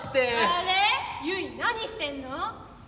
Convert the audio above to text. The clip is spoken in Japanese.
「あれユイ何してんの？」。